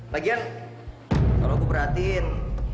lagian kalau aku perhatiin